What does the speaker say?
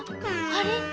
あれ？